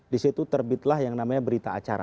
di situ terbitlah yang namanya berita acara